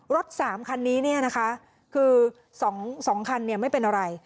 รถสามคันนี้นะคะคือสองคันไม่เป็นอะไร